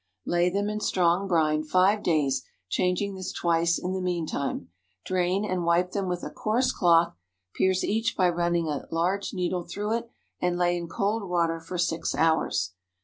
Lay them in strong brine five days, changing this twice in the meantime. Drain, and wipe them with a coarse cloth; pierce each by running a large needle through it, and lay in cold water for six hours.